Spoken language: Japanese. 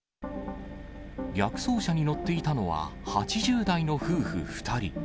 逆走車に乗っていたのは８０代の夫婦２人。